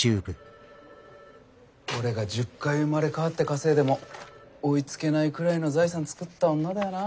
俺が１０回生まれ変わって稼いでも追いつけないくらいの財産作った女だよな。